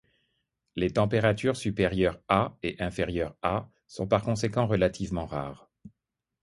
Les températures supérieures à et inférieures à sont par conséquent relativement rares.